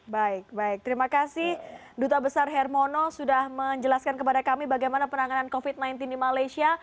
baik baik terima kasih duta besar hermono sudah menjelaskan kepada kami bagaimana penanganan covid sembilan belas di malaysia